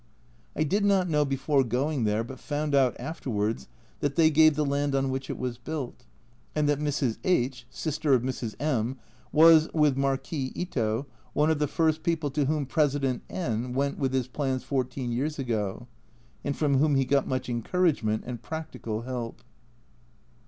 I did not know before going there, but found out afterwards, that they gave the land on which it was built, and that Mrs. H (sister of Mrs. M ) was, with Marquis Ito, one of the first people to whom President N went with his plans fourteen years ago, and from whom he got much encouragement and practical help.